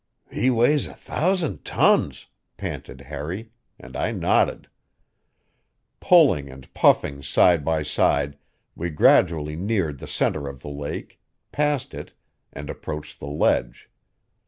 "He weighs a thousand tons," panted Harry, and I nodded. Pulling and puffing side by side, we gradually neared the center of the lake, passed it, and approached the ledge.